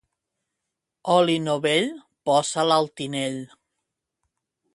Oli novell, posa'l al tinell.